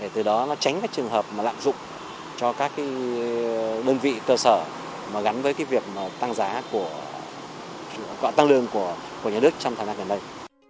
từ đó tránh các trường hợp lạm dụng cho các đơn vị cơ sở gắn với việc tăng lương của nhà nước trong thời gian gần đây